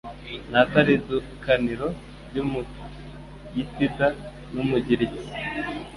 Nta taridukaniro ry'Umuytida n'umugiriki: